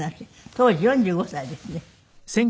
当時４５歳ですね。